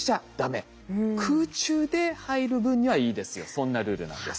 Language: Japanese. そんなルールなんです。